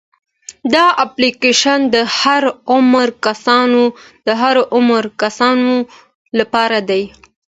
دا اپلیکیشن د هر عمر کسانو لپاره دی.